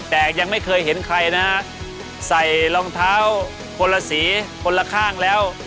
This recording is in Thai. แต่ยังไม่เคยเห็นใครนะฮะใส่รองเท้าคนละสีคนละข้างแล้ว